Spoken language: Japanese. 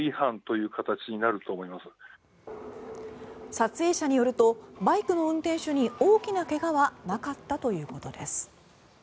撮影者によるとバイクの運転手に大きな怪我はなかったということです。